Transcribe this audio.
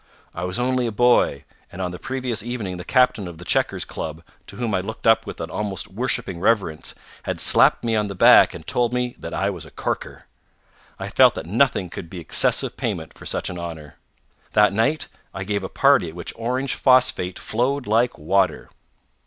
I was only a boy, and on the previous evening the captain of the Checkers Club, to whom I looked up with an almost worshipping reverence, had slapped me on the back and told me that I was a corker. I felt that nothing could be excessive payment for such an honor. That night I gave a party at which orange phosphate flowed like water.